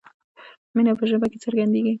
مینه په ژبه کې څرګندیږي.